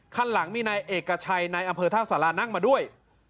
คันหลังมีนายเอกชัยในอำเภอท่าสารานั่งมาด้วย